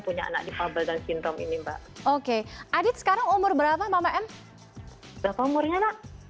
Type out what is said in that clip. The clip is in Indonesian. punya anak difabel dan sindrom ini mbak oke adit sekarang umur berapa mama m berapa umurnya nak